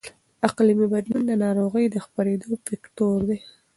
اقلیمي بدلون د ناروغۍ د خپرېدو فکتور دی.